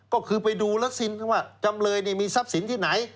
ก็คือไปดูรัสซินว่าจำเลยมีทรัพย์สินที่ไหน